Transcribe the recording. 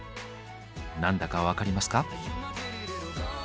何だか分かりますか？